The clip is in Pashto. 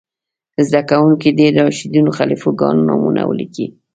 زده کوونکي دې د راشدینو خلیفه ګانو نومونه ولیکئ.